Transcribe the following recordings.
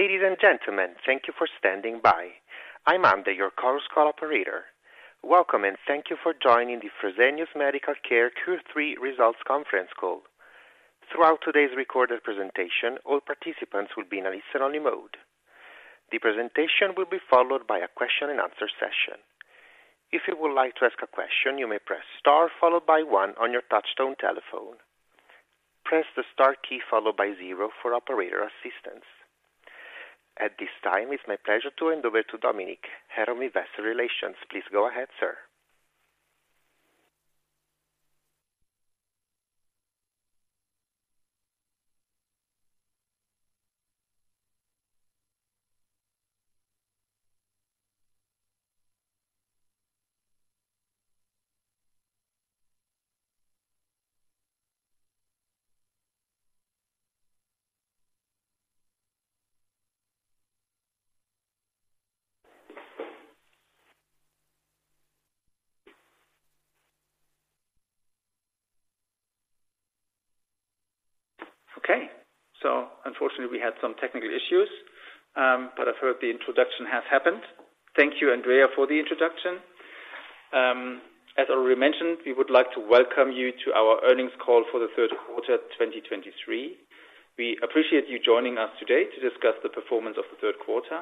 Ladies and gentlemen, thank you for standing by. I'm Andrea, your Chorus Call operator. Welcome, and thank you for joining the Fresenius Medical Care Q3 Results Conference Call. Throughout today's recorded presentation, all participants will be in a listen-only mode. The presentation will be followed by a question-and-answer session. If you would like to ask a question, you may press star followed by one on your touchtone telephone. Press the star key followed by zero for operator assistance. At this time, it's my pleasure to hand over to Dominik, Head of Investor Relations. Please go ahead, sir. Okay. So unfortunately, we had some technical issues, but I've heard the introduction has happened. Thank you, Andrea, for the introduction. As already mentioned, we would like to welcome you to our earnings call for the Q3, 2023. We appreciate you joining us today to discuss the performance of the Q3.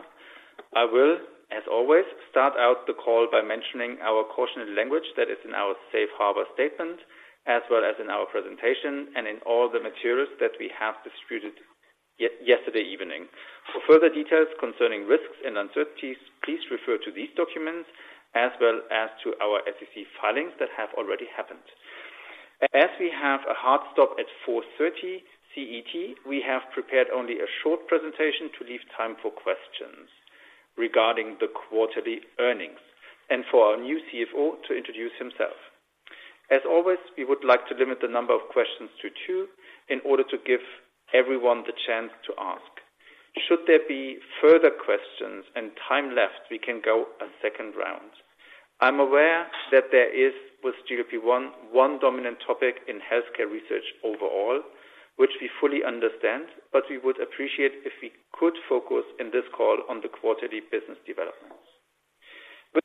I will, as always, start out the call by mentioning our cautionary language that is in our safe harbor statement, as well as in our presentation and in all the materials that we have distributed yesterday evening. For further details concerning risks and uncertainties, please refer to these documents as well as to our SEC filings that have already happened. As we have a hard stop at 4:30PM CET, we have prepared only a short presentation to leave time for questions regarding the quarterly earnings and for our new CFO to introduce himself. As always, we would like to limit the number of questions to two in order to give everyone the chance to ask. Should there be further questions and time left, we can go a second round. I'm aware that there is, with GLP-1, one dominant topic in healthcare research overall, which we fully understand, but we would appreciate if we could focus in this call on the quarterly business developments.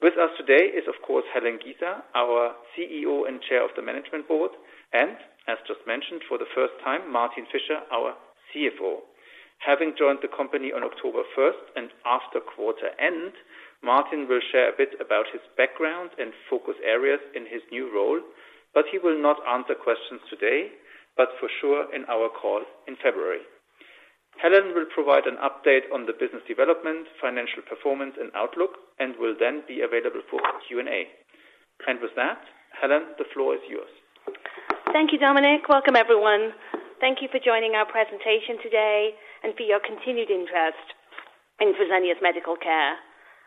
With us today is, of course, Helen Giza, our CEO and Chair of the Management Board, and as just mentioned, for the first time, Martin Fischer, our CFO. Having joined the company on October first and after quarter end, Martin will share a bit about his background and focus areas in his new role, but he will not answer questions today, but for sure in our call in February. Helen will provide an update on the business development, financial performance, and outlook, and will then be available for Q&A. With that, Helen, the floor is yours. Thank you, Dominik. Welcome, everyone. Thank you for joining our presentation today and for your continued interest in Fresenius Medical Care.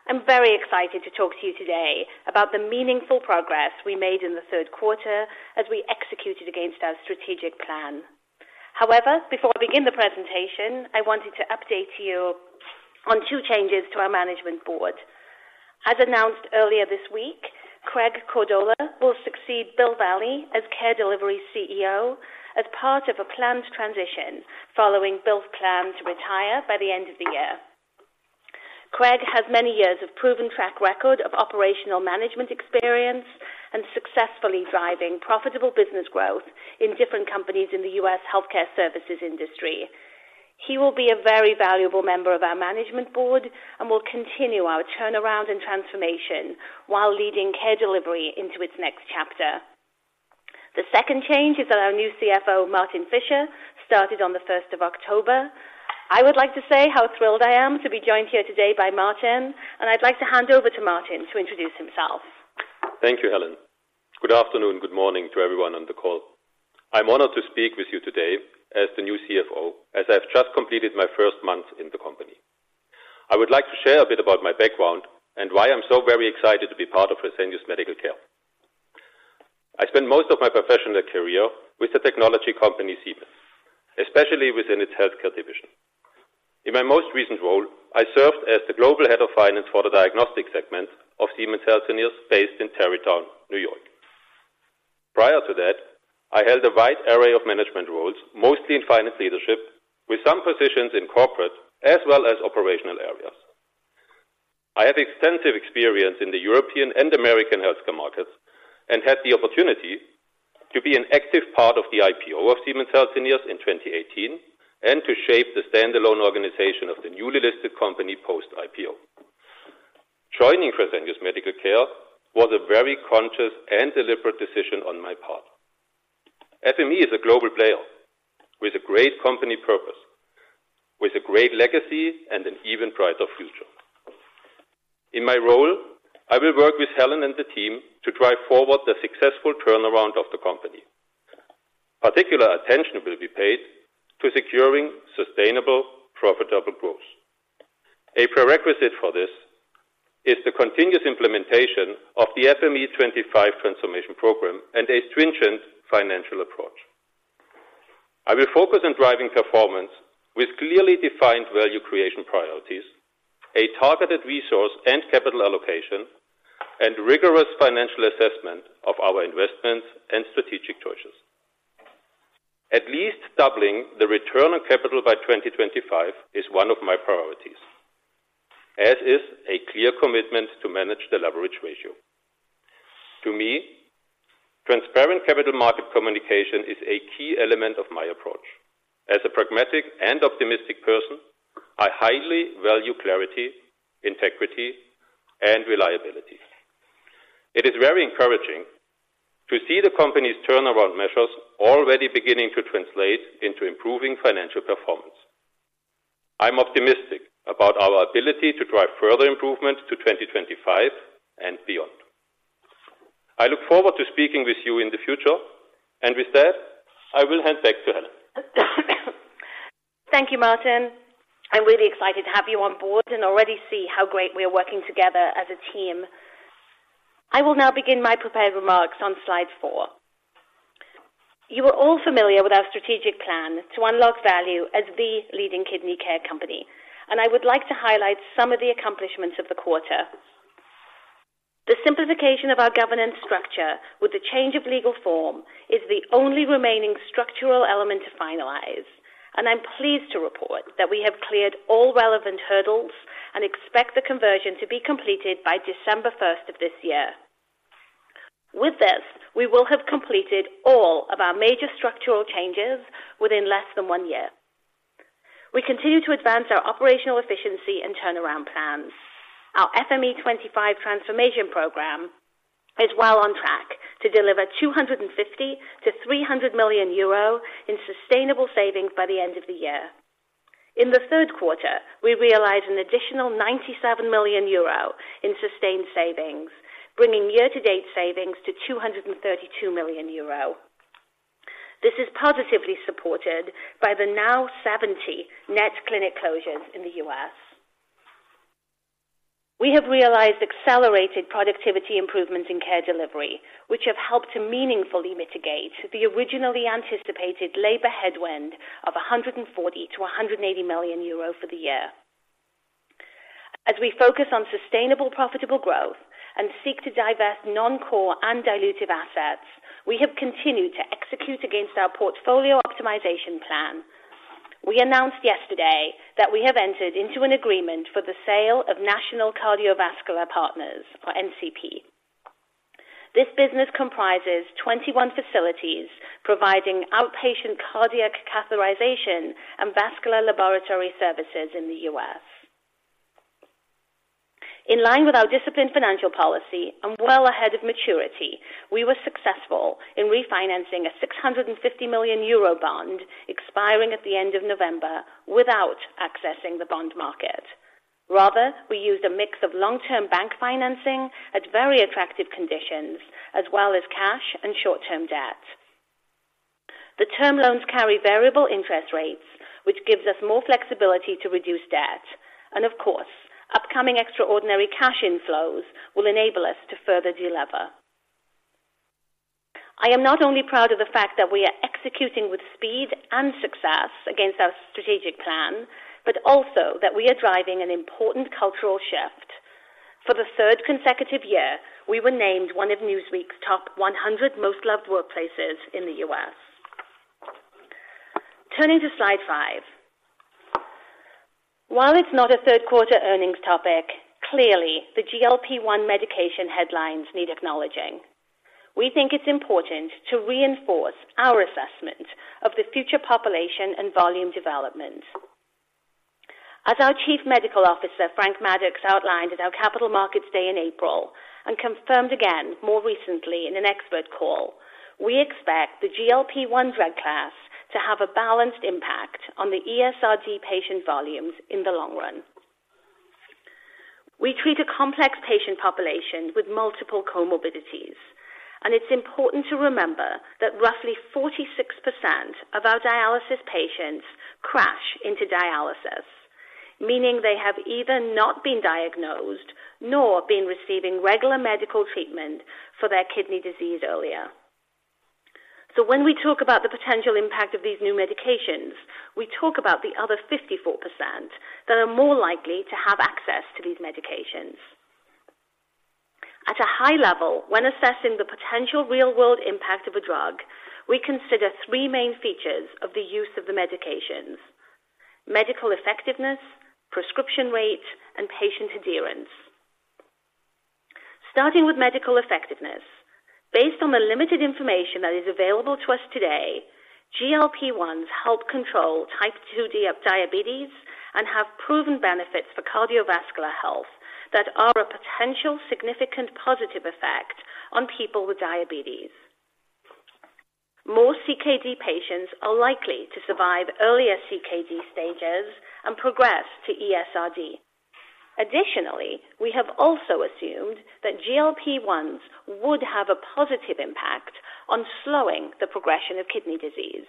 I'm very excited to talk to you today about the meaningful progress we made in the Q3 as we executed against our strategic plan. However, before I begin the presentation, I wanted to update you on two changes to our management board. As announced earlier this week, Craig Cordola will succeed Bill Valle as Care Delivery CEO as part of a planned transition following Bill's plan to retire by the end of the year. Craig has many years of proven track record of operational management experience and successfully driving profitable business growth in different companies in the US healthcare services industry. He will be a very valuable member of our management board and will continue our turnaround and transformation while leading Care Delivery into its next chapter. The second change is that our new CFO, Martin Fischer, started on the first of October. I would like to say how thrilled I am to be joined here today by Martin, and I'd like to hand over to Martin to introduce himself. Thank you, Helen. Good afternoon, good morning to everyone on the call. I'm honored to speak with you today as the new CFO, as I've just completed my first month in the company. I would like to share a bit about my background and why I'm so very excited to be part of Fresenius Medical Care. I spent most of my professional career with the technology company, Siemens, especially within its healthcare division. In my most recent role, I served as the Global Head of Finance for the diagnostic segment of Siemens Healthineers, based in Tarrytown, New York. Prior to that, I held a wide array of management roles, mostly in finance leadership, with some positions in corporate as well as operational areas. I have extensive experience in the European and American healthcare markets and had the opportunity to be an active part of the IPO of Siemens Healthineers in 2018, and to shape the standalone organization of the newly listed company post-IPO. Joining Fresenius Medical Care was a very conscious and deliberate decision on my part. FME is a global player with a great company purpose, with a great legacy and an even brighter future. In my role, I will work with Helen and the team to drive forward the successful turnaround of the company. Particular attention will be paid to securing sustainable, profitable growth. A prerequisite for this is the continuous implementation of the FME25 transformation program and a stringent financial approach. I will focus on driving performance with clearly defined value creation priorities, a targeted resource and capital allocation, and rigorous financial assessment of our investments and strategic choices. At least doubling the return on capital by 2025 is one of my priorities, as is a clear commitment to manage the leverage ratio. To me, transparent capital market communication is a key element of my approach. As a pragmatic and optimistic person, I highly value clarity, integrity, and reliability. It is very encouraging to see the company's turnaround measures already beginning to translate into improving financial performance. I'm optimistic about our ability to drive further improvement to 2025 and beyond. I look forward to speaking with you in the future, and with that, I will hand back to Helen. Thank you, Martin. I'm really excited to have you on board and already see how great we are working together as a team. I will now begin my prepared remarks on slide 4. You are all familiar with our strategic plan to unlock value as the leading kidney care company, and I would like to highlight some of the accomplishments of the quarter. The simplification of our governance structure with the change of legal form is the only remaining structural element to finalize, and I'm pleased to report that we have cleared all relevant hurdles and expect the conversion to be completed by December first of this year. With this, we will have completed all of our major structural changes within less than one year. We continue to advance our operational efficiency and turnaround plans. Our FME25 transformation program is well on track to deliver 250 million-300 million euro in sustainable savings by the end of the year. In the Q3, we realized an additional 97 million euro in sustained savings, bringing year-to-date savings to 232 million euro. This is positively supported by the now 70 net clinic closures in the US. We have realized accelerated productivity improvements in Care Delivery, which have helped to meaningfully mitigate the originally anticipated labor headwind of 100 million-180 million euro for the year. As we focus on sustainable, profitable growth and seek to divest non-core and dilutive assets, we have continued to execute against our portfolio optimization plan. We announced yesterday that we have entered into an agreement for the sale of National Cardiovascular Partners, or NCP. This business comprises 21 facilities, providing outpatient cardiac catheterization and vascular laboratory services in the US. In line with our disciplined financial policy and well ahead of maturity, we were successful in refinancing a 650 million euro bond expiring at the end of November without accessing the bond market. Rather, we used a mix of long-term bank financing at very attractive conditions, as well as cash and short-term debt. The term loans carry variable interest rates, which gives us more flexibility to reduce debt, and of course, upcoming extraordinary cash inflows will enable us to further delever. I am not only proud of the fact that we are executing with speed and success against our strategic plan, but also that we are driving an important cultural shift. For the third consecutive year, we were named one of Newsweek's Top 100 Most Loved Workplaces in the US. Turning to slide 5. While it's not a Q3 earnings topic, clearly the GLP-1 medication headlines need acknowledging. We think it's important to reinforce our assessment of the future population and volume development. As our Chief Medical Officer, Frank Maddux, outlined at our Capital Markets Day in April and confirmed again more recently in an expert call, we expect the GLP-1 drug class to have a balanced impact on the ESRD patient volumes in the long run. We treat a complex patient population with multiple comorbidities, and it's important to remember that roughly 46% of our dialysis patients crash into dialysis, meaning they have either not been diagnosed nor been receiving regular medical treatment for their kidney disease earlier. So when we talk about the potential impact of these new medications, we talk about the other 54% that are more likely to have access to these medications. At a high level, when assessing the potential real-world impact of a drug, we consider three main features of the use of the medications: medical effectiveness, prescription rate, and patient adherence. Starting with medical effectiveness. Based on the limited information that is available to us today, GLP-1s help control type 2 diabetes and have proven benefits for cardiovascular health that are a potential significant positive effect on people with diabetes. More CKD patients are likely to survive earlier CKD stages and progress to ESRD. Additionally, we have also assumed that GLP-1s would have a positive impact on slowing the progression of kidney disease.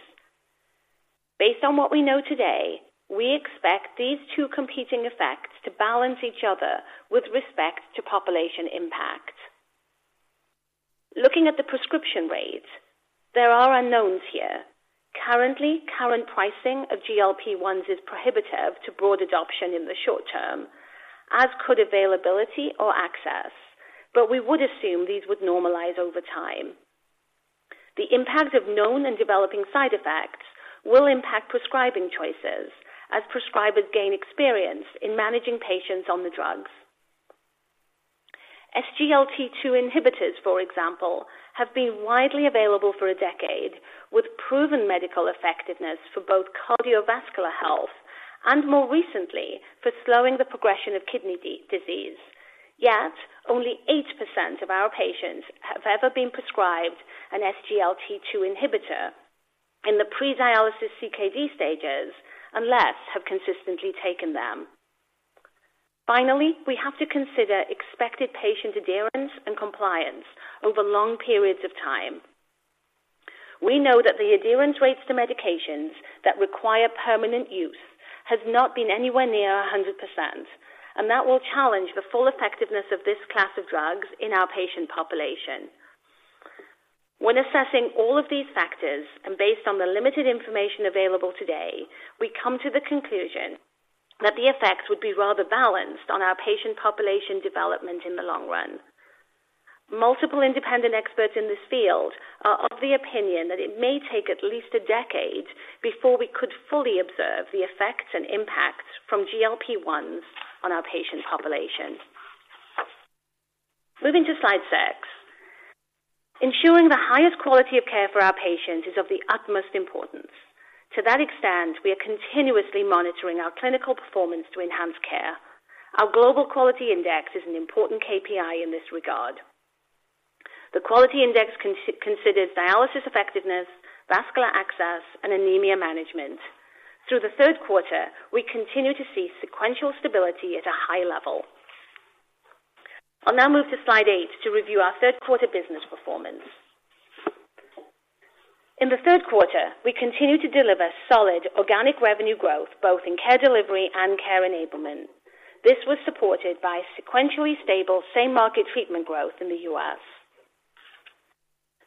Based on what we know today, we expect these two competing effects to balance each other with respect to population impact. Looking at the prescription rates, there are unknowns here. Currently, current pricing of GLP-1s is prohibitive to broad adoption in the short term. As could availability or access, but we would assume these would normalize over time. The impact of known and developing side effects will impact prescribing choices as prescribers gain experience in managing patients on the drugs. SGLT2 inhibitors, for example, have been widely available for a decade, with proven medical effectiveness for both cardiovascular health and more recently, for slowing the progression of kidney disease. Yet only 8% of our patients have ever been prescribed an SGLT2 inhibitor in the pre-dialysis CKD stages, and less have consistently taken them. Finally, we have to consider expected patient adherence and compliance over long periods of time. We know that the adherence rates to medications that require permanent use has not been anywhere near 100%, and that will challenge the full effectiveness of this class of drugs in our patient population. When assessing all of these factors and based on the limited information available today, we come to the conclusion that the effects would be rather balanced on our patient population development in the long run. Multiple independent experts in this field are of the opinion that it may take at least a decade before we could fully observe the effects and impacts from GLP-1 on our patient population. Moving to slide 6. Ensuring the highest quality of care for our patients is of the utmost importance. To that extent, we are continuously monitoring our clinical performance to enhance care. Our Global Quality Index is an important KPI in this regard. The quality index considers dialysis effectiveness, vascular access, and anemia management. Through the Q3, we continue to see sequential stability at a high level. I'll now move to slide 8 to review our Q3 business performance. In the Q3, we continued to deliver solid organic revenue growth, both in Care Delivery and Care Enablement. This was supported by sequentially stable same-market treatment growth in the US.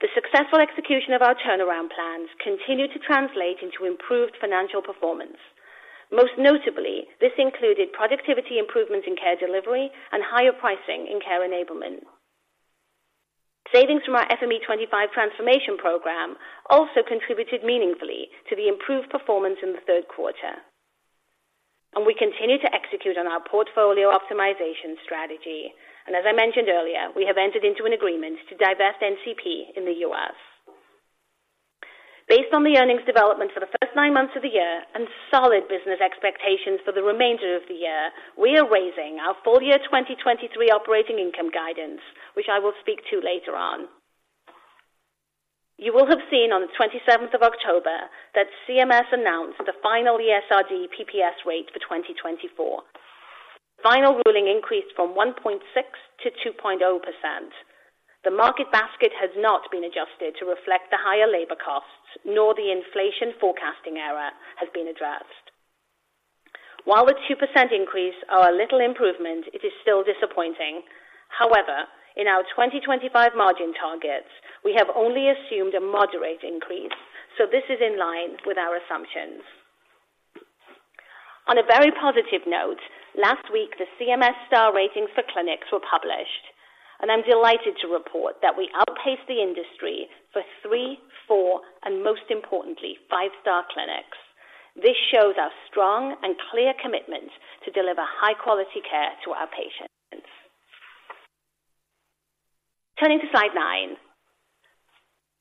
The successful execution of our turnaround plans continued to translate into improved financial performance. Most notably, this included productivity improvements in Care Delivery and higher pricing in Care Enablement. Savings from our FME25 transformation program also contributed meaningfully to the improved performance in the Q3, and we continue to execute on our portfolio optimization strategy. As I mentioned earlier, we have entered into an agreement to divest NCP in the US. Based on the earnings development for the first nine months of the year and solid business expectations for the remainder of the year, we are raising our full year 2023 operating income guidance, which I will speak to later on. You will have seen on the 27th of October that CMS announced the final ESRD PPS rate for 2024. Final ruling increased from 1.6 to 2.0%. The market basket has not been adjusted to reflect the higher labor costs, nor the inflation forecasting error has been addressed. While the 2% increase are a little improvement, it is still disappointing. However, in our 2025 margin targets, we have only assumed a moderate increase, so this is in line with our assumptions. On a very positive note, last week, the CMS Star Ratings for clinics were published, and I'm delighted to report that we outpaced the industry for 3, 4, and most importantly, 5-star clinics. This shows our strong and clear commitment to deliver high-quality care to our patients. Turning to slide nine.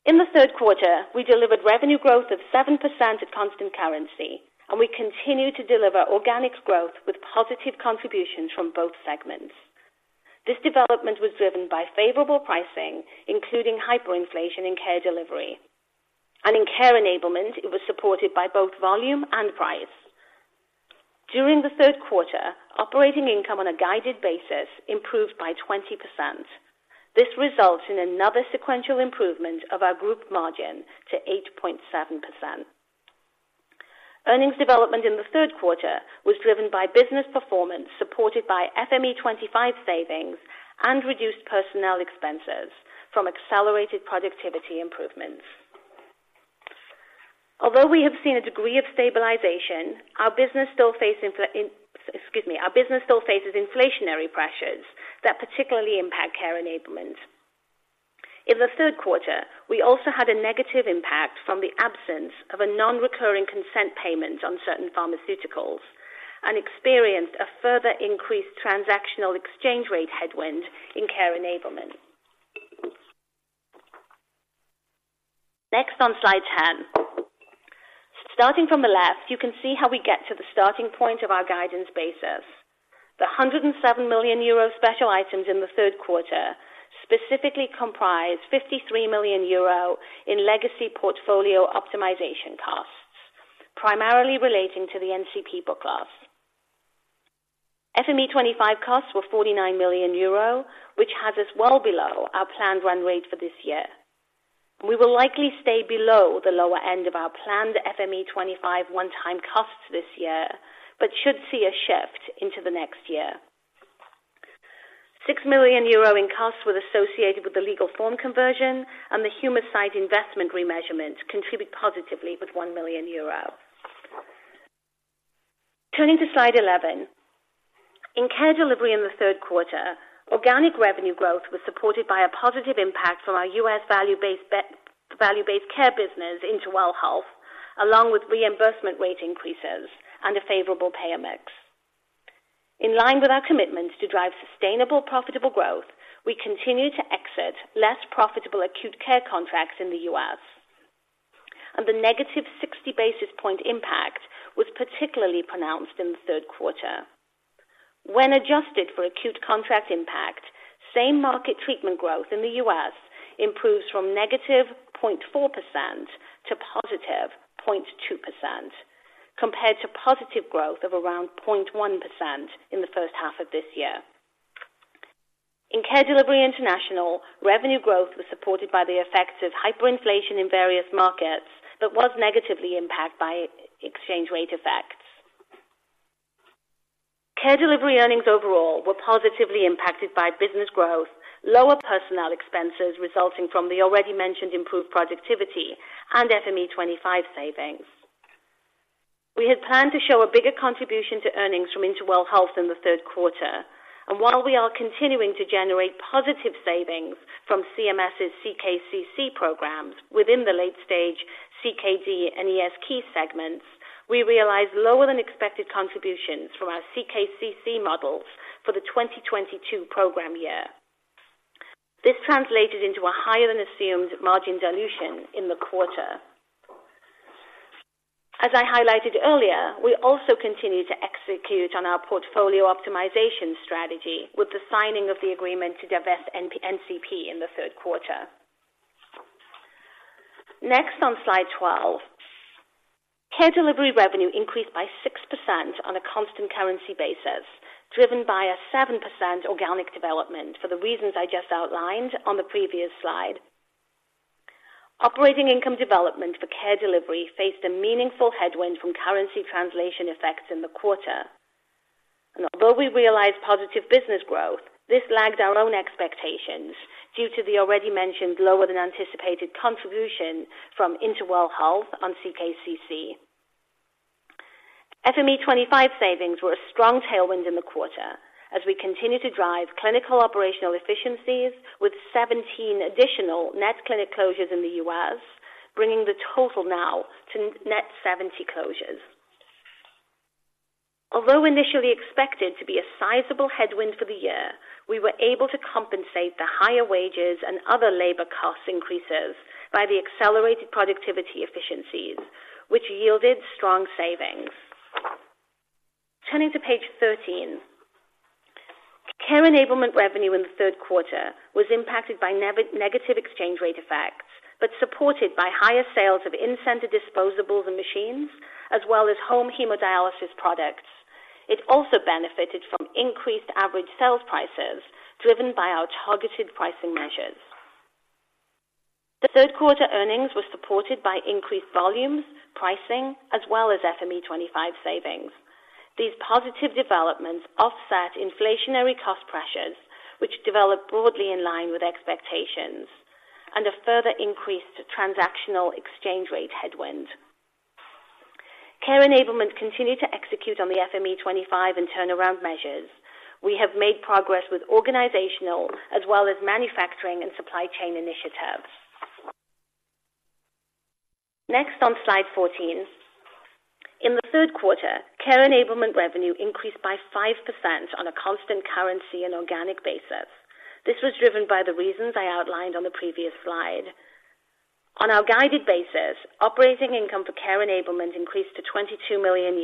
In the Q3, we delivered revenue growth of 7% at constant currency, and we continued to deliver organic growth with positive contributions from both segments. This development was driven by favorable pricing, including hyperinflation in Care Delivery, and in Care Enablement, it was supported by both volume and price. During the Q3, operating income on a guided basis improved by 20%. This results in another sequential improvement of our group margin to 8.7%. Earnings development in the Q3 was driven by business performance, supported by FME25 savings and reduced personnel expenses from accelerated productivity improvements. Although we have seen a degree of stabilization, our business still facing... Excuse me, our business still faces inflationary pressures that particularly impact Care Enablement. In the Q3, we also had a negative impact from the absence of a non-recurring consent payment on certain pharmaceuticals and experienced a further increased transactional exchange rate headwind in Care Enablement. Next on slide 10. Starting from the left, you can see how we get to the starting point of our guidance basis. The 107 million euro special items in the Q3 specifically comprise 53 million euro in legacy portfolio optimization costs, primarily relating to the NCP divestiture. FME25 costs were 49 million euro, which has us well below our planned run rate for this year. We will likely stay below the lower end of our planned FME25 one-time costs this year, but should see a shift into the next year. 6 million euro in costs were associated with the legal form conversion, and the Humacyte investment remeasurement contributed positively with 1 million euro. Turning to slide 11. In Care Delivery in the Q3, organic revenue growth was supported by a positive impact from our US value-based care business InterWell Health, along with reimbursement rate increases and a favorable payer mix. In line with our commitment to drive sustainable, profitable growth, we continue to exit less profitable acute care contracts in the US, and the negative 60 basis point impact was particularly pronounced in the Q3. When adjusted for acute contract impact, same market treatment growth in the US improves from negative 0.4% to positive 0.2%, compared to positive growth of around 0.1% in the first half of this year. In Care Delivery International, revenue growth was supported by the effects of hyperinflation in various markets, but was negatively impacted by exchange rate effects. Care Delivery earnings overall were positively impacted by business growth, lower personnel expenses resulting from the already mentioned improved productivity and FME25 savings. We had planned to show a bigger contribution to earnings from InterWell Health in the Q3, and while we are continuing to generate positive savings from CMS's CKCC programs within the late stage CKD and ESRD key segments, we realized lower than expected contributions from our CKCC models for the 2022 program year. This translated into a higher than assumed margin dilution in the quarter. As I highlighted earlier, we also continue to execute on our portfolio optimization strategy with the signing of the agreement to divest NCP in the Q3. Next on slide 12. Care Delivery revenue increased by 6% on a constant currency basis, driven by a 7% organic development for the reasons I just outlined on the previous slide. Operating income development for Care Delivery faced a meaningful headwind from currency translation effects in the quarter. Although we realized positive business growth, this lagged our own expectations due to the already mentioned lower than anticipated contribution from InterWell Health on CKCC. FME25 savings were a strong tailwind in the quarter as we continue to drive clinical operational efficiencies with 17 additional net clinic closures in the US, bringing the total now to net 70 closures. Although initially expected to be a sizable headwind for the year, we were able to compensate the higher wages and other labor cost increases by the accelerated productivity efficiencies, which yielded strong savings. Turning to page 13. Care Enablement revenue in the Q3 was impacted by negative exchange rate effects, but supported by higher sales of in-center disposables and machines, as well as home hemodialysis products. It also benefited from increased average sales prices, driven by our targeted pricing measures. The Q3 earnings were supported by increased volumes, pricing, as well as FME25 savings. These positive developments offset inflationary cost pressures, which developed broadly in line with expectations and a further increased transactional exchange rate headwind. Care Enablement continued to execute on the FME25 and turnaround measures. We have made progress with organizational as well as manufacturing and supply chain initiatives. Next on slide 14. In the Q3, Care Enablement revenue increased by 5% on a constant currency and organic basis. This was driven by the reasons I outlined on the previous slide. On our guided basis, operating income for Care Enablement increased to EUR 22 million.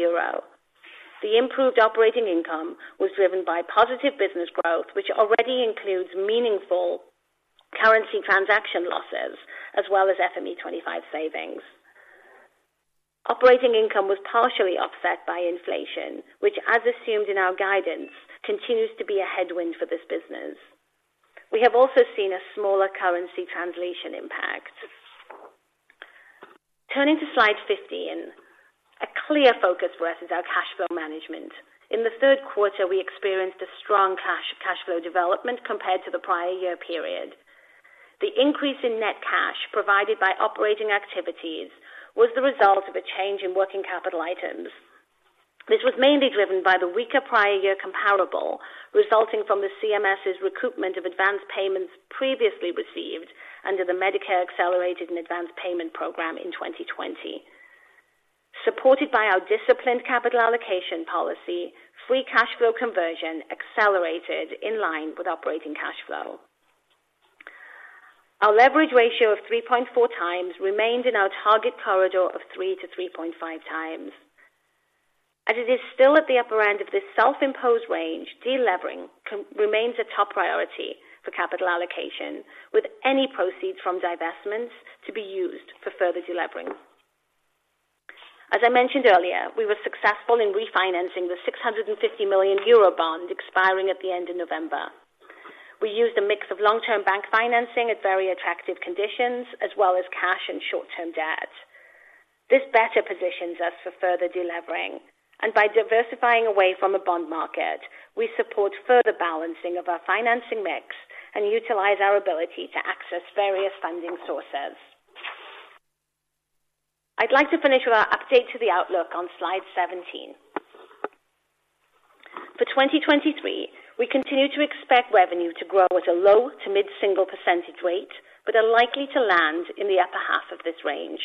The improved operating income was driven by positive business growth, which already includes meaningful currency transaction losses, as well as FME25 savings. Operating income was partially offset by inflation, which, as assumed in our guidance, continues to be a headwind for this business. We have also seen a smaller currency translation impact. Turning to slide 15, a clear focus for us is our cash flow management. In the Q3, we experienced a strong cash flow development compared to the prior year period. The increase in net cash provided by operating activities was the result of a change in working capital items. This was mainly driven by the weaker prior year comparable, resulting from the CMS's recoupment of advanced payments previously received under the Medicare Accelerated and Advance Payment Program in 2020. Supported by our disciplined capital allocation policy, free cash flow conversion accelerated in line with operating cash flow. Our leverage ratio of 3.4 times remained in our target corridor of 3-3.5 times. As it is still at the upper end of this self-imposed range, delivering remains a top priority for capital allocation, with any proceeds from divestments to be used for further de-levering. As I mentioned earlier, we were successful in refinancing the 650 million euro bond expiring at the end of November. We used a mix of long-term bank financing at very attractive conditions, as well as cash and short-term debt. This better positions us for further de-levering. By diversifying away from the bond market, we support further balancing of our financing mix and utilize our ability to access various funding sources. I'd like to finish with our update to the outlook on slide 17. For 2023, we continue to expect revenue to grow at a low to mid-single percentage rate, but are likely to land in the upper half of this range.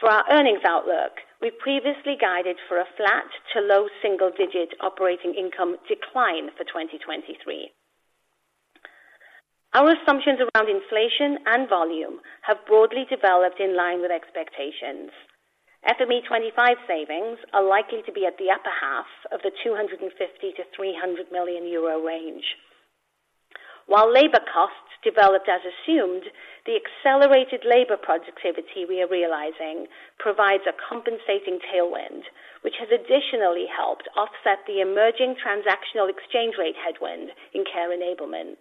For our earnings outlook, we previously guided for a flat to low single-digit operating income decline for 2023. Our assumptions around inflation and volume have broadly developed in line with expectations. FME25 savings are likely to be at the upper half of the 250 million-300 million euro range. While labor costs developed as assumed, the accelerated labor productivity we are realizing provides a compensating tailwind, which has additionally helped offset the emerging transactional exchange rate headwind in Care Enablement.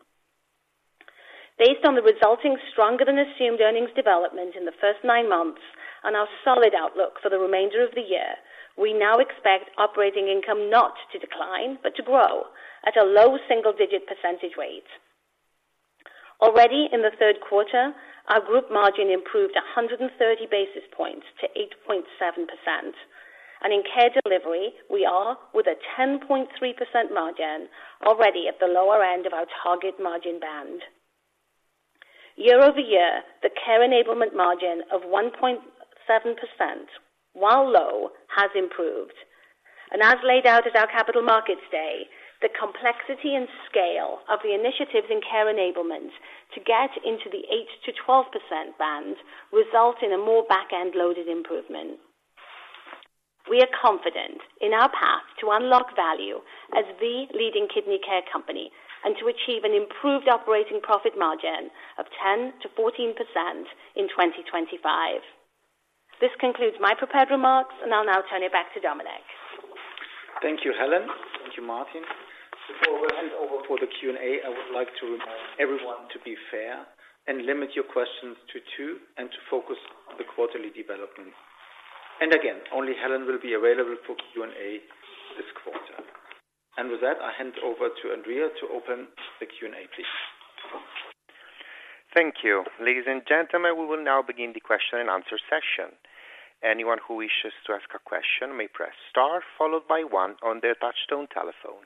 Based on the resulting stronger than assumed earnings development in the first nine months and our solid outlook for the remainder of the year, we now expect operating income not to decline, but to grow at a low single-digit percentage rate. Already in the Q3, our group margin improved 100 basis points to 8.7%, and in Care Delivery, we are with a 10.3% margin already at the lower end of our target margin band. Year-over-year, the Care Enablement margin of 1.7%, while low, has improved. And as laid out at our Capital Markets Day, the complexity and scale of the initiatives in Care Enablement to get into the 8%-12% band result in a more back-end loaded improvement. We are confident in our path to unlock value as the leading kidney care company and to achieve an improved operating profit margin of 10%-14% in 2025. This concludes my prepared remarks, and I'll now turn it back to Dominik. Thank you, Helen. Thank you, Martin. Before we hand over for the Q&A, I would like to remind everyone to be fair and limit your questions to two and to focus on the quarterly development. And again, only Helen will be available for Q&A this quarter. And with that, I hand over to Andrea to open the Q&A, please. Thank you. Ladies and gentlemen, we will now begin the question and answer session. Anyone who wishes to ask a question may press star, followed by one on their touchtone telephone.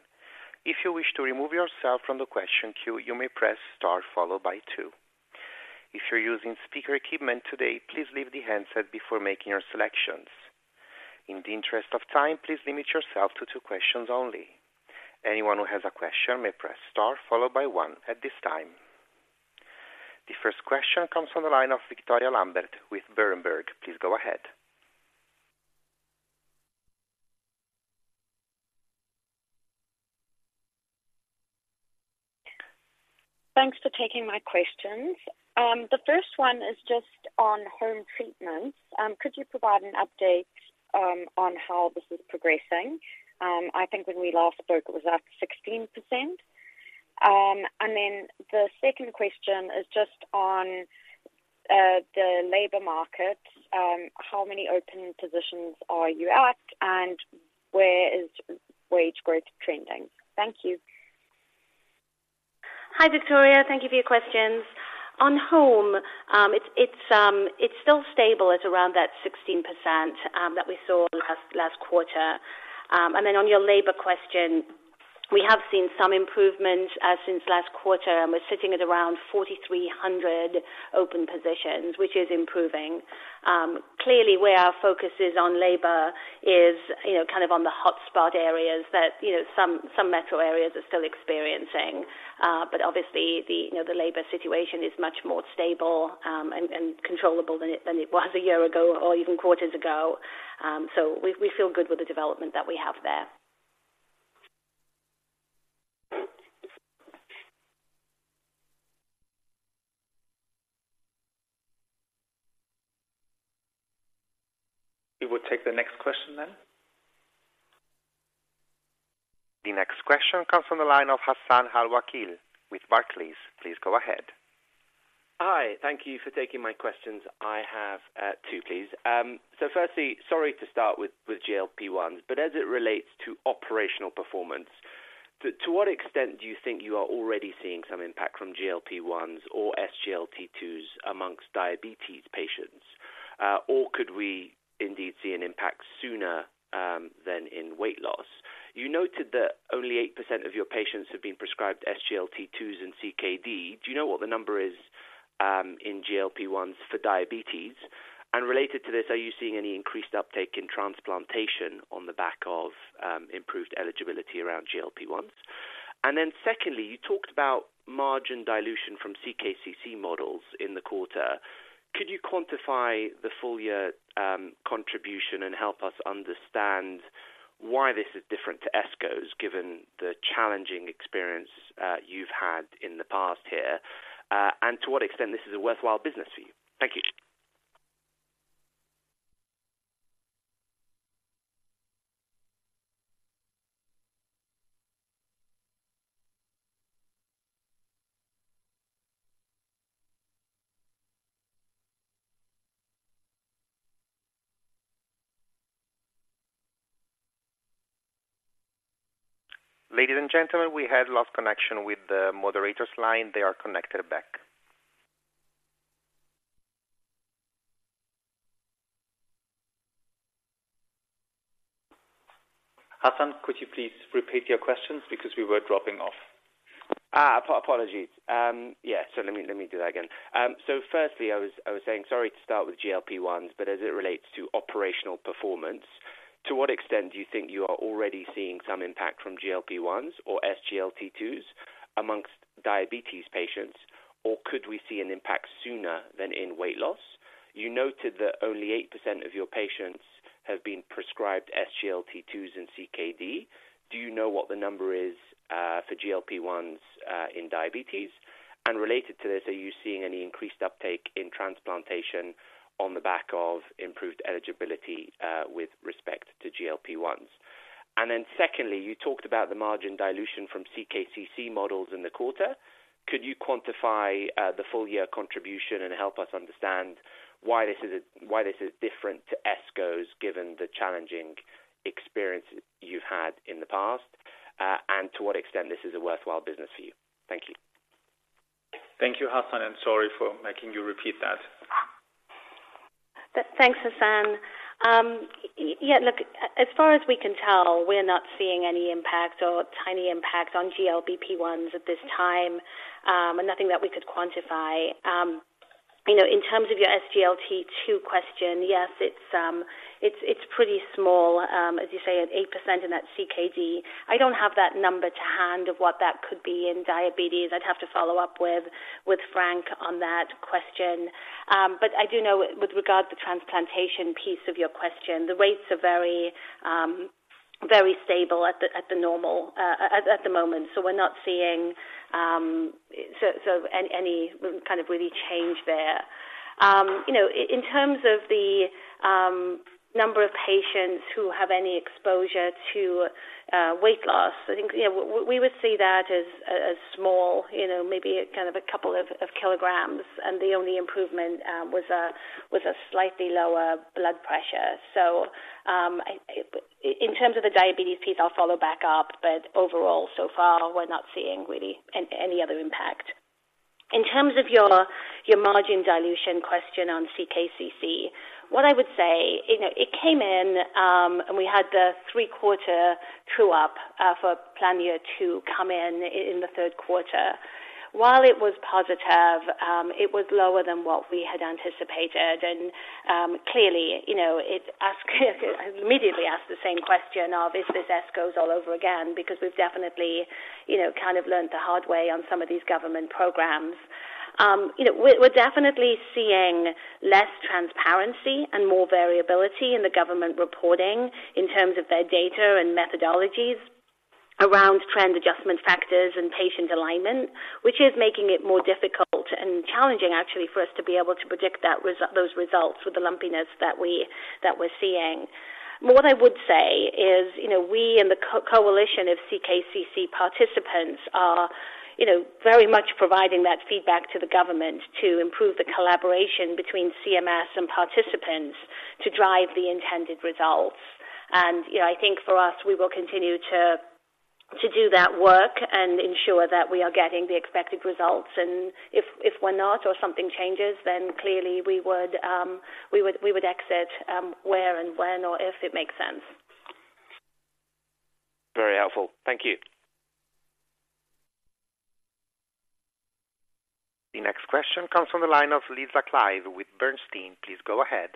If you wish to remove yourself from the question queue, you may press star followed by two. If you're using speaker equipment today, please leave the handset before making your selections. In the interest of time, please limit yourself to two questions only. Anyone who has a question may press star, followed by one at this time. The first question comes from the line of Victoria Lambert with Berenberg. Please go ahead. Thanks for taking my questions. The first one is just on home treatments. Could you provide an update on how this is progressing? I think when we last spoke, it was at 16%. And then the second question is just on the labor market. How many open positions are you at, and where is wage growth trending? Thank you. Hi, Victoria. Thank you for your questions. On home, it's still stable at around that 16%, that we saw last quarter. And then on your labor question, we have seen some improvement since last quarter, and we're sitting at around 4,300 open positions, which is improving. Clearly, where our focus is on labor is, you know, kind of on the hotspot areas that, you know, some metro areas are still experiencing. But obviously the, you know, the labor situation is much more stable, and controllable than it was a year ago or even quarters ago. So we feel good with the development that we have there. We would take the next question then. The next question comes from the line of Hassan Al-Wakil with Barclays. Please go ahead. Hi. Thank you for taking my questions. I have two, please. So first, sorry to start with GLP-1, but as it relates to operational performance, to what extent do you think you are already seeing some impact from GLP-1 or SGLT2 among diabetes patients? Or could we indeed see an impact sooner than in weight loss? You noted that only 8% of your patients have been prescribed SGLT2 and CKD. Do you know what the number is in GLP-1 for diabetes? And related to this, are you seeing any increased uptake in transplantation on the back of improved eligibility around GLP-1? And then second, you talked about margin dilution from CKCC models in the quarter. Could you quantify the full year contribution and help us understand why this is different to ESCOs, given the challenging experience you've had in the past here, and to what extent this is a worthwhile business for you? Thank you. Ladies and gentlemen, we have lost connection with the moderator's line. They are connected back. Hassan, could you please repeat your questions because we were dropping off? Apologies. Yeah, so let me do that again. So firstly, I was saying, sorry to start with GLP-1, but as it relates to operational performance, to what extent do you think you are already seeing some impact from GLP-1 or SGLT2 among diabetes patients, or could we see an impact sooner than in weight loss? You noted that only 8% of your patients have been prescribed SGLT2 in CKD. Do you know what the number is for GLP-1 in diabetes? And related to this, are you seeing any increased uptake in transplantation on the back of improved eligibility with respect to GLP-1? And then secondly, you talked about the margin dilution from CKCC models in the quarter. Could you quantify, the full year contribution and help us understand why this is, why this is different to ESCOs, given the challenging experience you've had in the past, and to what extent this is a worthwhile business for you? Thank you. Thank you, Hassan, and sorry for making you repeat that. Thanks, Hassan. Yeah, look, as far as we can tell, we're not seeing any impact or tiny impact on GLP-1 at this time, and nothing that we could quantify. You know, in terms of your SGLT2 question, yes, it's pretty small, as you say, at 8% in that CKD. I don't have that number to hand of what that could be in diabetes. I'd have to follow up with Frank on that question. But I do know with regard to the transplantation piece of your question, the rates are very, very stable at the normal, at the moment. So we're not seeing so any kind of really change there. You know, in terms of the number of patients who have any exposure to weight loss, I think, yeah, we would see that as, as small, you know, maybe kind of a couple of kilograms, and the only improvement was a slightly lower blood pressure. So, in terms of the diabetes piece, I'll follow back up, but overall, so far, we're not seeing really any other impact. In terms of your margin dilution question on CKCC, what I would say, you know, it came in, and we had the three-quarter true-up for plan year two come in, in the Q3. While it was positive, it was lower than what we had anticipated, and, clearly, you know, I immediately asked the same question, of is this ESCOs all over again? Because we've definitely, you know, kind of learned the hard way on some of these government programs. You know, we're definitely seeing less transparency and more variability in the government reporting in terms of their data and methodologies around trend adjustment factors and patient alignment, which is making it more difficult and challenging, actually, for us to be able to predict those results with the lumpiness that we're seeing. What I would say is, you know, we in the coalition of CKCC participants are, you know, very much providing that feedback to the government to improve the collaboration between CMS and participants to drive the intended results. You know, I think for us, we will continue to do that work and ensure that we are getting the expected results. And if we're not or something changes, then clearly we would exit where and when or if it makes sense. Very helpful. Thank you. The next question comes from the line of Lisa Clive with Bernstein. Please go ahead.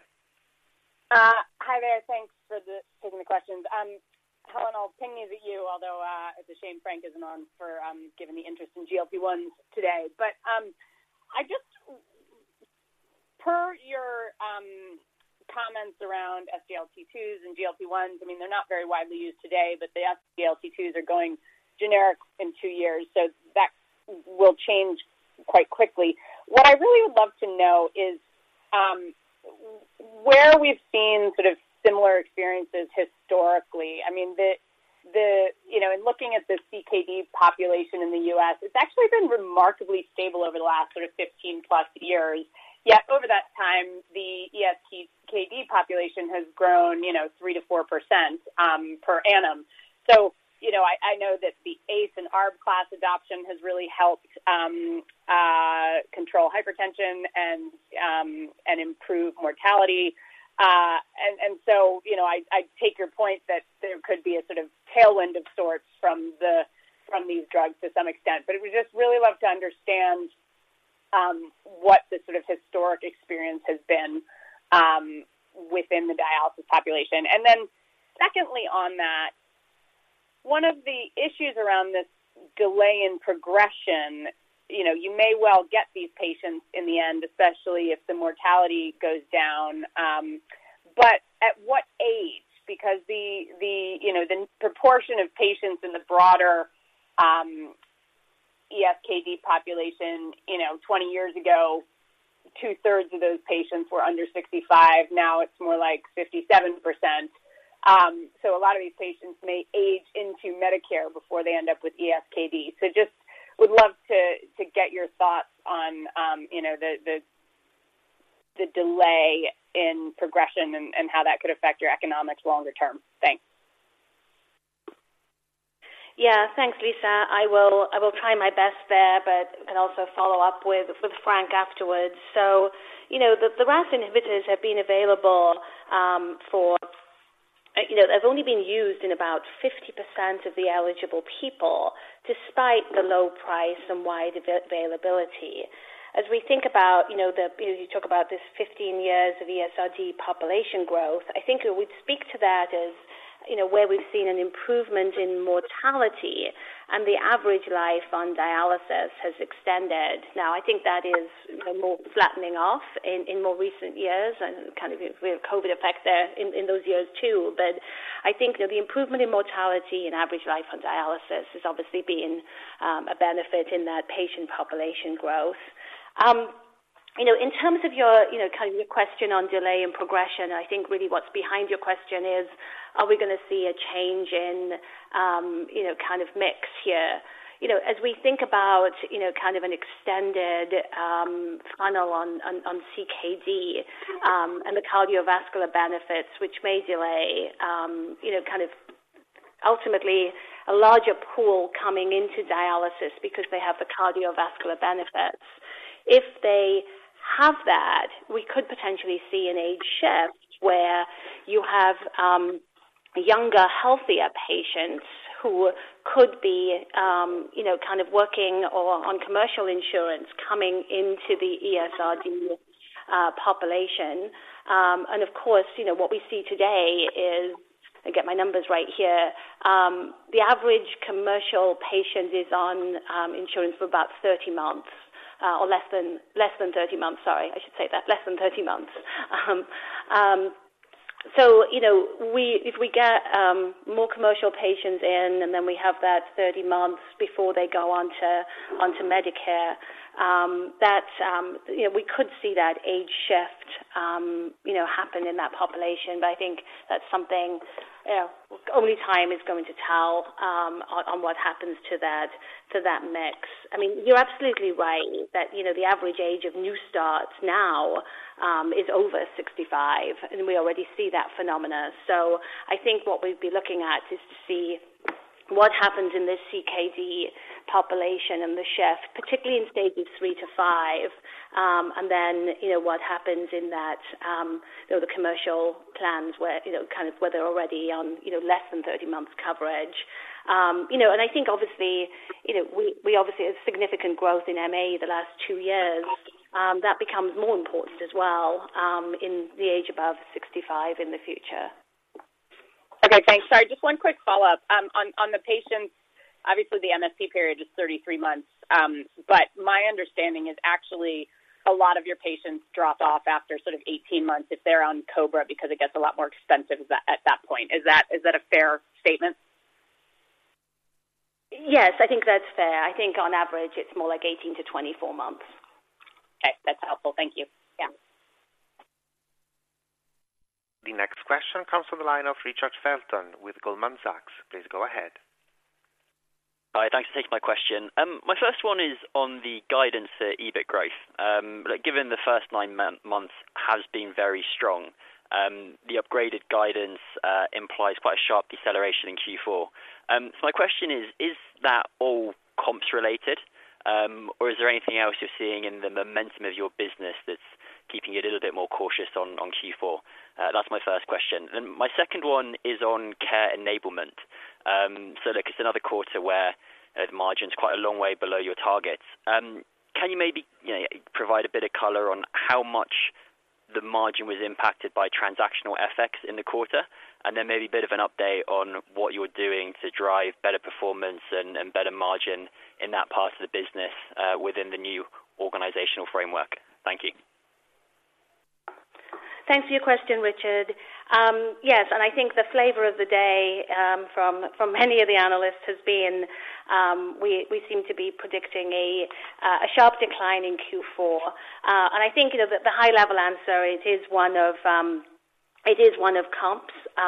Hi there. Thanks for taking the questions. Helen, I'll ping you too, although it's a shame Frank isn't on, given the interest in GLP-1 today. But I just... Per your comments around SGLT2 and GLP-1, I mean, they're not very widely used today, but the SGLT2 are going generic in 2 years, so that will change quite quickly. What I really would love to know is, where we've seen sort of similar experiences historically. I mean, you know, in looking at the CKD population in the US, it's actually been remarkably stable over the last sort of 15+ years. Yet over that time, the ESRD population has grown, you know, 3%-4% per annum. So, you know, I know that the ACE and ARB class adoption has really helped control hypertension and improve mortality. So, you know, I take your point that there could be a sort of tailwind of sorts from these drugs to some extent. But we just really love to understand what the sort of historic experience has been within the dialysis population. And then secondly, on that, one of the issues around this delay in progression, you know, you may well get these patients in the end, especially if the mortality goes down, but at what age? Because the, you know, the proportion of patients in the broader ESRD population, you know, 20 years ago, 2/3 of those patients were under 65. Now it's more like 57%. So a lot of these patients may age into Medicare before they end up with ESKD. So just would love to get your thoughts on, you know, the delay in progression and how that could affect your economics longer term. Thanks. Yeah, thanks, Lisa. I will try my best there, but and also follow up with Frank afterwards. So, you know, the RAS inhibitors have been available, you know, have only been used in about 50% of the eligible people, despite the low price and wide availability. As we think about, you know, you talk about this 15 years of ESRD population growth, I think we'd speak to that as, you know, where we've seen an improvement in mortality and the average life on dialysis has extended. Now, I think that is more flattening off in more recent years and kind of with COVID effect there in those years, too. But I think that the improvement in mortality and average life on dialysis has obviously been a benefit in that patient population growth. You know, in terms of your, you know, kind of your question on delay and progression, I think really what's behind your question is, are we gonna see a change in, you know, kind of mix here? You know, as we think about, you know, kind of an extended funnel on CKD and the cardiovascular benefits, which may delay you know, kind of ultimately a larger pool coming into dialysis because they have the cardiovascular benefits. If they have that, we could potentially see an age shift where you have younger, healthier patients who could be you know, kind of working or on commercial insurance coming into the ESRD population. And of course, you know, what we see today is... Let me get my numbers right here. The average commercial patient is on insurance for about 30 months, or less than, less than 30 months. Sorry, I should say that, less than 30 months. So, you know, we—if we get more commercial patients in, and then we have that 30 months before they go on to, on to Medicare, that's, you know, we could see that age shift, you know, happen in that population. But I think that's something only time is going to tell, on, on what happens to that, to that mix. I mean, you're absolutely right that, you know, the average age of new starts now is over 65, and we already see that phenomena. So I think what we'd be looking at is to see what happens in this CKD population and the shift, particularly in stages 3-5, and then, you know, what happens in that, you know, the commercial plans where, you know, kind of where they're already on, you know, less than 30 months coverage. You know, and I think, obviously, you know, we, we obviously have significant growth in MA the last 2 years. That becomes more important as well, in the age above 65 in the future. Okay, thanks. Sorry, just one quick follow-up. On the patients, obviously, the MSP period is 33 months, but my understanding is actually a lot of your patients drop off after sort of 18 months if they're on COBRA because it gets a lot more expensive at that point. Is that a fair statement? Yes, I think that's fair. I think on average, it's more like 18-24 months. Okay, that's helpful. Thank you. Yeah. The next question comes from the line of Richard Felton with Goldman Sachs. Please go ahead. Hi, thanks for taking my question. My first one is on the guidance for EBIT growth. Given the first nine months has been very strong, the upgraded guidance implies quite a sharp deceleration in Q4. So my question is, is that all comps related, or is there anything else you're seeing in the momentum of your business that's keeping you a little bit more cautious on Q4? That's my first question. And my second one is on Care Enablement. So look, it's another quarter where the margin's quite a long way below your targets. Can you maybe, you know, provide a bit of color on how much the margin was impacted by transactional effects in the quarter, and then maybe a bit of an update on what you're doing to drive better performance and, and better margin in that part of the business, within the new organizational framework? Thank you. Thanks for your question, Richard. Yes, and I think the flavor of the day, from many of the analysts has been, we seem to be predicting a sharp decline in Q4. And I think, you know, the high-level answer, it is one of comps.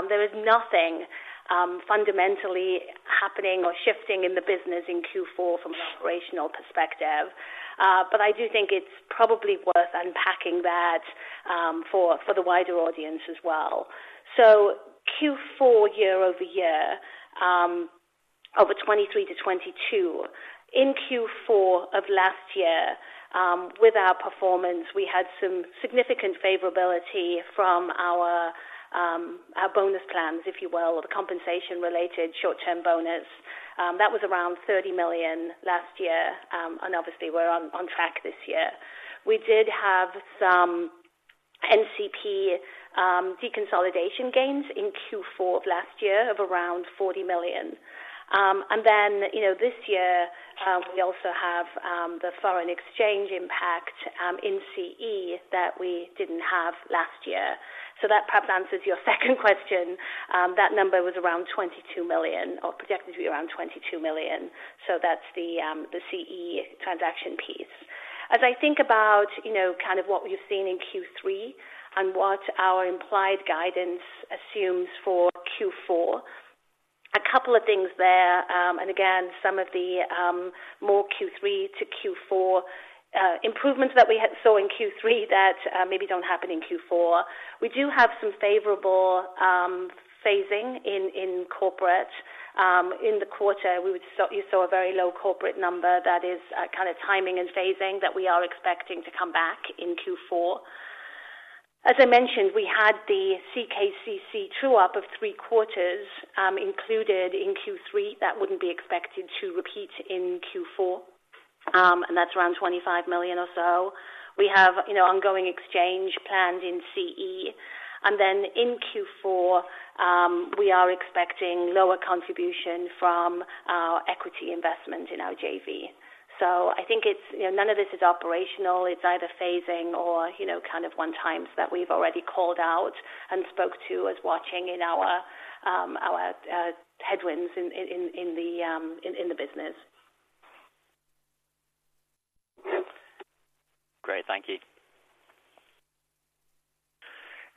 There is nothing fundamentally happening or shifting in the business in Q4 from an operational perspective. But I do think it's probably worth unpacking that, for the wider audience as well. So Q4 year-over-year, over 2023 to 2022. In Q4 of last year, with our performance, we had some significant favorability from our bonus plans, if you will, or the compensation-related short-term bonus. That was around 30 million last year, and obviously, we're on track this year. We did have some NCP deconsolidation gains in Q4 of last year of around 40 million. And then, you know, this year, we also have the foreign exchange impact in CE that we didn't have last year. So that perhaps answers your second question. That number was around 22 million, or projected to be around 22 million. So that's the the CE transaction piece.... As I think about, you know, kind of what we've seen in Q3 and what our implied guidance assumes for Q4, a couple of things there. And again, some of the more Q3 to Q4 improvements that we had saw in Q3 that maybe don't happen in Q4. We do have some favorable phasing in in corporate. In the quarter, you saw a very low corporate number that is kind of timing and phasing that we are expecting to come back in Q4. As I mentioned, we had the CKCC true-up of three quarters included in Q3. That wouldn't be expected to repeat in Q4, and that's around 25 million or so. We have, you know, ongoing exchange planned in CE. And then in Q4, we are expecting lower contribution from our equity investment in our JV. So I think it's, you know, none of this is operational. It's either phasing or, you know, kind of one times that we've already called out and spoke to as watching in our headwinds in the business. Great, thank you.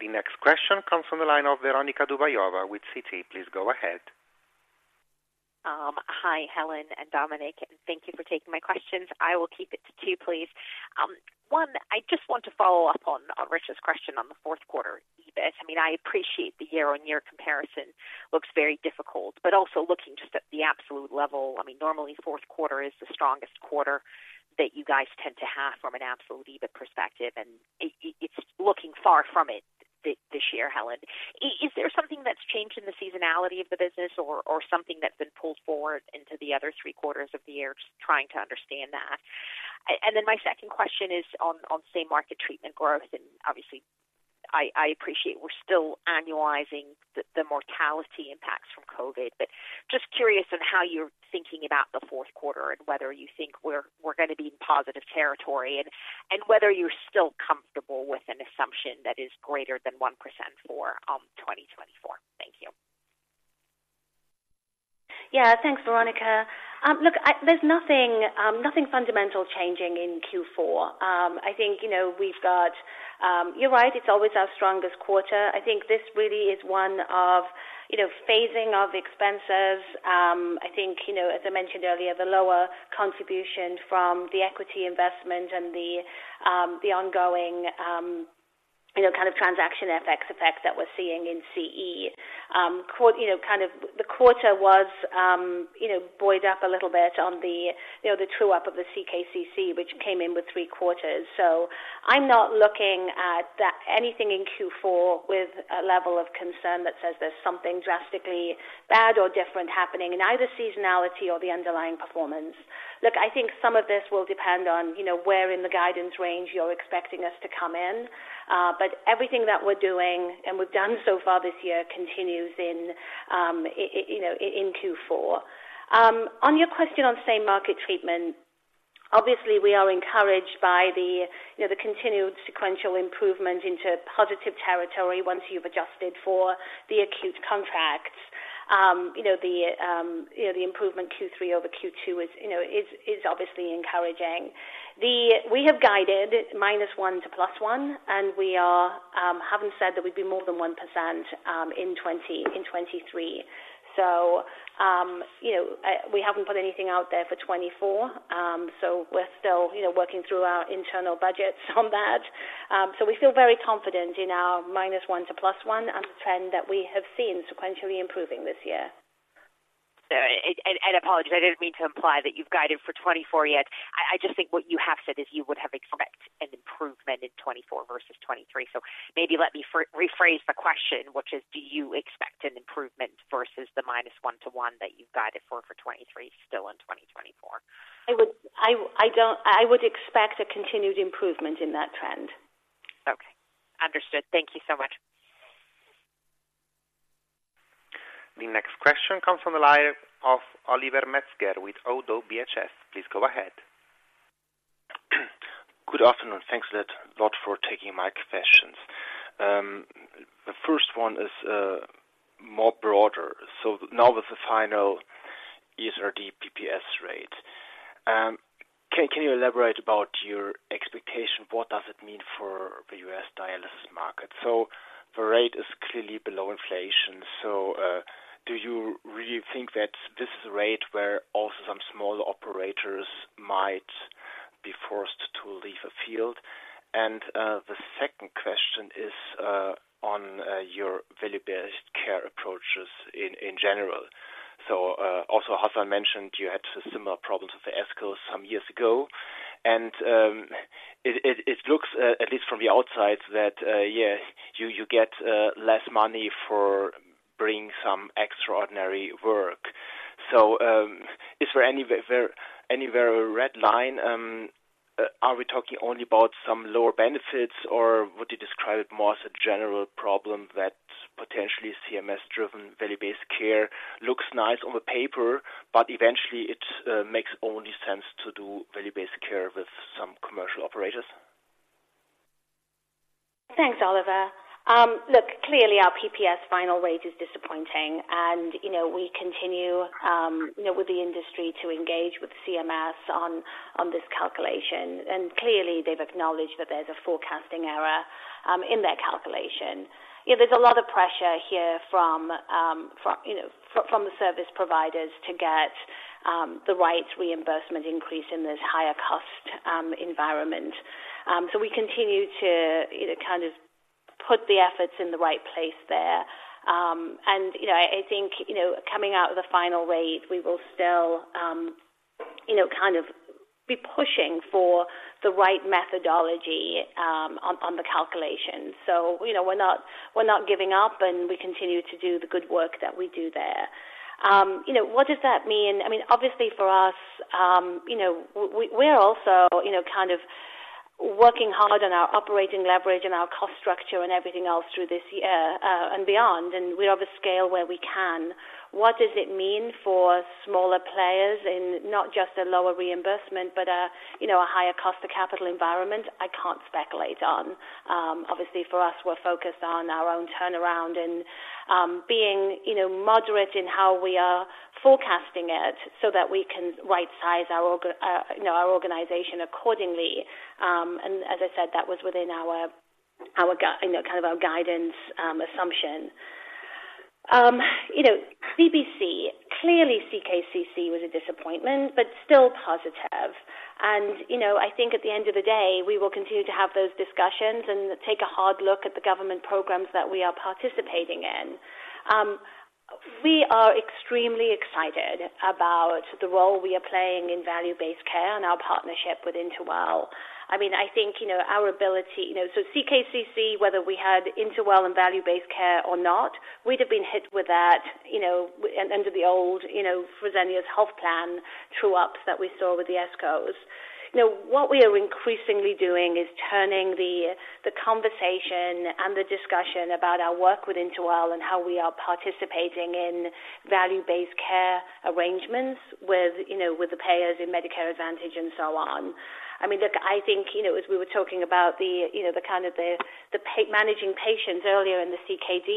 The next question comes from the line of Veronika Dubajova with Citi. Please go ahead. Hi, Helen and Dominik, and thank you for taking my questions. I will keep it to two, please. One, I just want to follow up on Rich's question on the Q4, EBIT. I mean, I appreciate the year-on-year comparison looks very difficult, but also looking just at the absolute level. I mean, normally, Q4 is the strongest quarter that you guys tend to have from an absolute EBIT perspective, and it, it's looking far from it this year, Helen. Is there something that's changed in the seasonality of the business or something that's been pulled forward into the other three quarters of the year? Trying to understand that. And then my second question is on same-market treatment growth, and obviously, I appreciate we're still annualizing the mortality impacts from COVID. Just curious on how you're thinking about the Q4 and whether you think we're gonna be in positive territory, and whether you're still comfortable with an assumption that is greater than 1% for 2024. Thank you. Yeah, thanks, Veronica. Look, there's nothing fundamental changing in Q4. I think, you know, we've got, you're right, it's always our strongest quarter. I think this really is one of, you know, phasing of expenses. I think, you know, as I mentioned earlier, the lower contribution from the equity investment and the ongoing, you know, kind of transaction effects that we're seeing in CE. You know, kind of the quarter was buoyed up a little bit on the, you know, the true-up of the CKCC, which came in with three quarters. So I'm not looking at that anything in Q4 with a level of concern that says there's something drastically bad or different happening in either seasonality or the underlying performance. Look, I think some of this will depend on, you know, where in the guidance range you're expecting us to come in. But everything that we're doing, and we've done so far this year, continues in, you know, in Q4. On your question on same-market treatment, obviously, we are encouraged by the, you know, the continued sequential improvement into positive territory once you've adjusted for the acute contracts. You know, the, you know, the improvement Q3 over Q2 is, you know, is, is obviously encouraging. We have guided -1% to +1%, and we are, haven't said that we'd be more than 1%, in 2023. So, you know, we haven't put anything out there for 2024. So we're still, you know, working through our internal budgets on that. So we feel very confident in our -1 to +1 and the trend that we have seen sequentially improving this year. Apologies, I didn't mean to imply that you've guided for 2024 yet. I just think what you have said is you would have expect an improvement in 2024 versus 2023. So maybe let me rephrase the question, which is, do you expect an improvement versus the -1 to 1 that you've guided for, for 2024? I would expect a continued improvement in that trend. Okay. Understood. Thank you so much. The next question comes from the line of Oliver Metzger with ODDO BHF. Please go ahead. Good afternoon. Thanks a lot for taking my questions. The first one is more broader. So now with the final ESRD PPS rate, can you elaborate about your expectation? What does it mean for the US dialysis market? So the rate is clearly below inflation. So, do you really think that this is a rate where also some small operators might be forced to leave a field? And, the second question is on your value-based care approaches in general. So, also, Hasan mentioned you had similar problems with the ESCOs some years ago, and it looks, at least from the outside, that yeah, you get less money for bringing some extraordinary work. So, is there any very red line? Are we talking only about some lower benefits, or would you describe it more as a general problem that potentially CMS-driven, value-based care looks nice on the paper, but eventually, it makes only sense to do value-based care with some commercial operators? ...Thanks, Oliver. Look, clearly our PPS final rate is disappointing, and, you know, we continue, you know, with the industry to engage with CMS on this calculation, and clearly they've acknowledged that there's a forecasting error in their calculation. Yeah, there's a lot of pressure here from, you know, from the service providers to get the right reimbursement increase in this higher cost environment. So we continue to, you know, kind of put the efforts in the right place there. And, you know, I think, you know, coming out of the final rate, we will still, you know, kind of be pushing for the right methodology on the calculation. So, you know, we're not giving up, and we continue to do the good work that we do there. You know, what does that mean? I mean, obviously for us, you know, we're also, you know, kind of working hard on our operating leverage and our cost structure and everything else through this year, and beyond, and we have a scale where we can. What does it mean for smaller players in not just a lower reimbursement, but, you know, a higher cost of capital environment? I can't speculate on. Obviously for us, we're focused on our own turnaround and, being, you know, moderate in how we are forecasting it so that we can rightsize our org, you know, our organization accordingly. And as I said, that was within our guidance, you know, kind of our guidance assumption. You know, VBC, clearly, CKCC was a disappointment, but still positive. And, you know, I think at the end of the day, we will continue to have those discussions and take a hard look at the government programs that we are participating in. We are extremely excited about the role we are playing in value-based care and our partnership with InterWell. I mean, I think, you know, our ability... You know, so CKCC, whether we had InterWell and value-based care or not, we'd have been hit with that, you know, under the old, you know, Fresenius Health Plan true-ups that we saw with the ESCOs. You know, what we are increasingly doing is turning the, the conversation and the discussion about our work with InterWell and how we are participating in value-based care arrangements with, you know, with the payers in Medicare Advantage and so on. I mean, look, I think, you know, as we were talking about the, you know, the kind of the managing patients earlier in the CKD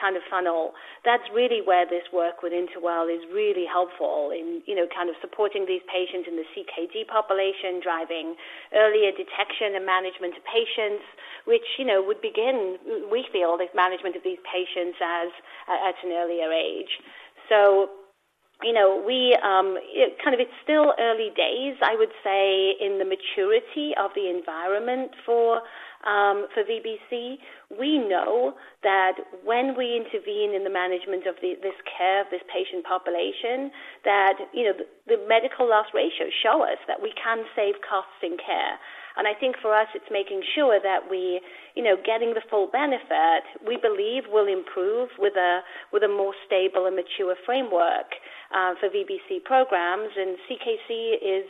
kind of funnel, that's really where this work with InterWell is really helpful in, you know, kind of supporting these patients in the CKD population, driving earlier detection and management of patients, which, you know, would begin, we feel, this management of these patients at an earlier age. So, you know, we, it kind of it's still early days, I would say, in the maturity of the environment for for VBC. We know that when we intervene in the management of the, this care, this patient population, that, you know, the, the medical loss ratios show us that we can save costs in care. And I think for us, it's making sure that we, you know, getting the full benefit, we believe will improve with a, with a more stable and mature framework for VBC programs, and CKCC is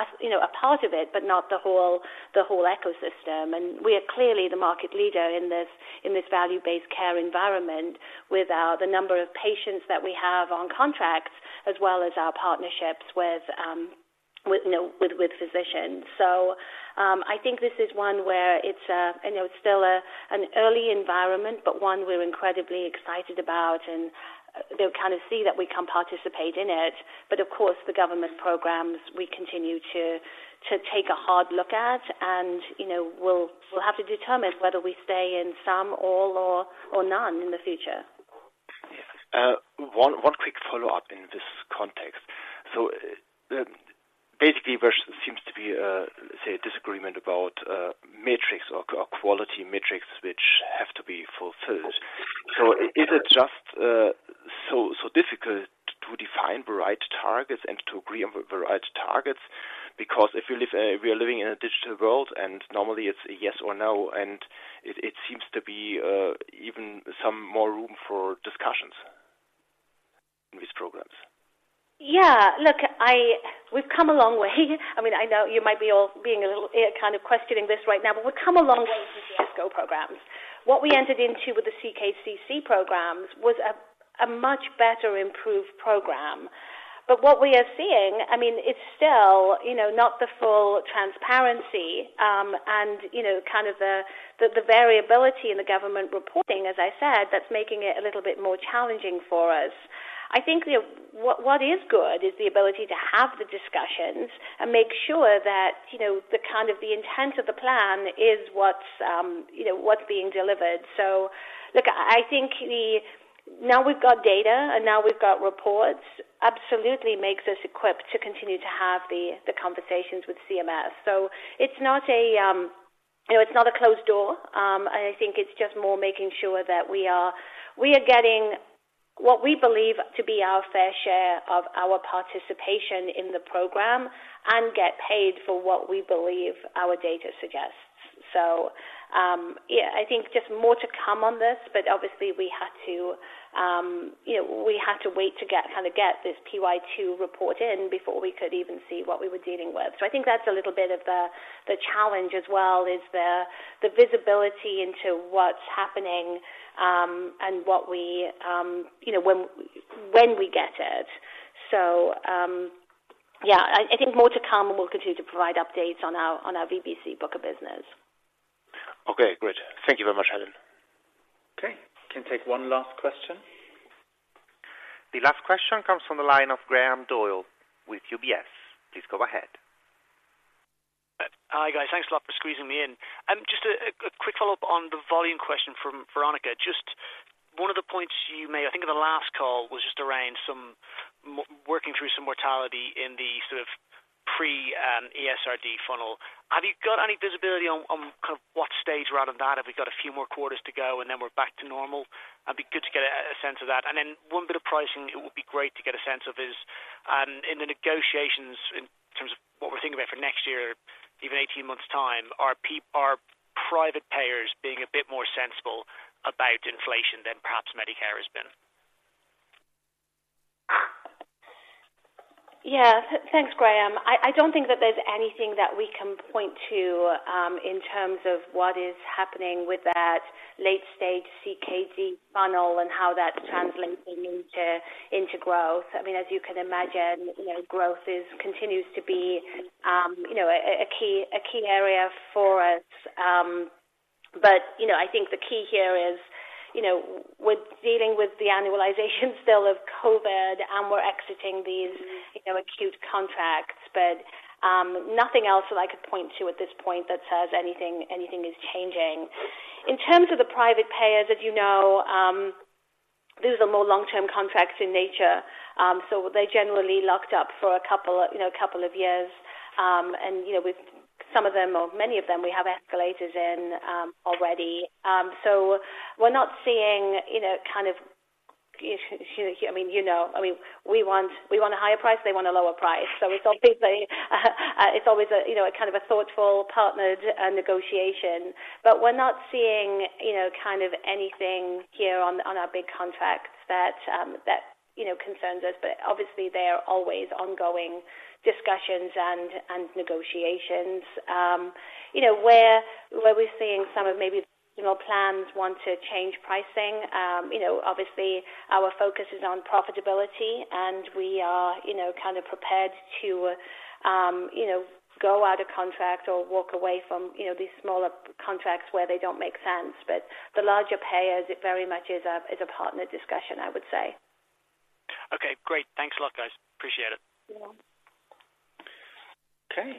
a, you know, a part of it, but not the whole, the whole ecosystem. And we are clearly the market leader in this, in this value-based care environment with the number of patients that we have on contracts, as well as our partnerships with, you know, with physicians. So, I think this is one where it's, you know, it's still a, an early environment, but one we're incredibly excited about, and they'll kind of see that we can participate in it. Of course, the government programs, we continue to take a hard look at and, you know, we'll have to determine whether we stay in some, all, or none in the future. One quick follow-up in this context. So, basically, there seems to be a, say, a disagreement about metrics or quality metrics, which have to be fulfilled. So is it just so difficult to define the right targets and to agree on the right targets? Because we are living in a digital world, and normally it's a yes or no, and it seems to be even some more room for discussions in these programs. Yeah, look, we've come a long way. I mean, I know you might be all being a little kind of questioning this right now, but we've come a long way with the ESCO programs. What we entered into with the CKCC programs was a much better improved program. But what we are seeing, I mean, it's still, you know, not the full transparency, and you know, kind of the variability in the government reporting, as I said, that's making it a little bit more challenging for us. I think, you know, what is good is the ability to have the discussions and make sure that, you know, the kind of the intent of the plan is what's, you know, what's being delivered. So look, I think the... Now we've got data, and now we've got reports, absolutely makes us equipped to continue to have the conversations with CMS. So it's not a, you know, it's not a closed door. And I think it's just more making sure that we are getting what we believe to be our fair share of our participation in the program and get paid for what we believe our data suggests. So, yeah, I think just more to come on this, but obviously, we had to, you know, we had to wait to get, kind of get this PY2 report in before we could even see what we were dealing with. So I think that's a little bit of the challenge as well, is the visibility into what's happening, and what we, you know, when we get it. So, yeah, I think more to come and we'll continue to provide updates on our VBC book of business. Okay, great. Thank you very much, Helen. Okay, can take one last question. The last question comes from the line of Graham Doyle with UBS. Please go ahead. Hi, guys. Thanks a lot for squeezing me in. Just a quick follow-up on the volume question from Veronika. Just one of the points you made, I think in the last call, was just around some working through some mortality in the sort of pre-ESRD funnel. Have you got any visibility on kind of what stage we're out on that? Have we got a few more quarters to go and then we're back to normal? That'd be good to get a sense of that. And then one bit of pricing, it would be great to get a sense of is in the negotiations, in terms of what we're thinking about for next year, even 18 months' time, are private payers being a bit more sensible about inflation than perhaps Medicare has been? Yeah. Thanks, Graham. I don't think that there's anything that we can point to in terms of what is happening with that late stage CKD funnel and how that's translating into growth. I mean, as you can imagine, you know, growth is... continues to be, you know, a key area for us. But, you know, I think the key here is, you know, we're dealing with the annualization still of COVID, and we're exiting these, you know, acute contracts. But nothing else that I could point to at this point that says anything is changing. In terms of the private payers, as you know, these are more long-term contracts in nature, so they're generally locked up for a couple of years. You know, with some of them or many of them, we have escalators in already. So we're not seeing, you know, kind of, you know, I mean, we want a higher price, they want a lower price. So it's always a, you know, a kind of a thoughtful, partnered negotiation. But we're not seeing, you know, kind of anything here on our big contracts that, you know, concerns us. But obviously, there are always ongoing discussions and negotiations. You know, where we're seeing some of maybe, you know, plans want to change pricing, you know, obviously, our focus is on profitability, and we are, you know, kind of prepared to, you know, go out of contract or walk away from, you know, these smaller contracts where they don't make sense. But the larger payers, it very much is a partner discussion, I would say. Okay, great. Thanks a lot, guys. Appreciate it. Yeah. Okay.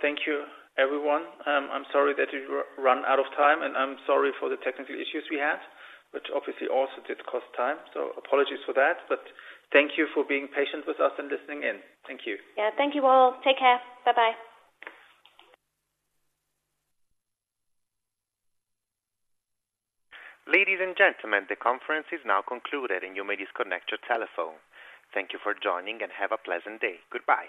Thank you, everyone. I'm sorry that we run out of time, and I'm sorry for the technical issues we had, which obviously also did cost time. Apologies for that, but thank you for being patient with us and listening in. Thank you. Yeah. Thank you, all. Take care. Bye-bye. Ladies and gentlemen, the conference is now concluded, and you may disconnect your telephone. Thank you for joining, and have a pleasant day. Goodbye.